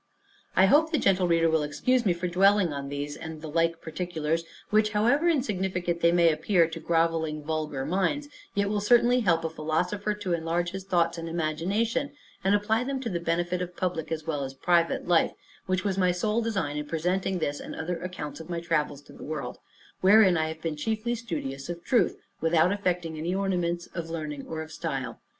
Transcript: I hope the gentle reader will excuse me for dwelling on these and the like particulars, which, however insignificant they may appear to grovelling vulgar minds, yet will certainly help a philosopher to enlarge his thoughts and imagination, and apply them to the benefit of public as well as private life, which was my sole design in presenting this, and other accounts of my travels, to the world; wherein I have been chiefly studious of truth, without affecting any ornaments of learning or of style.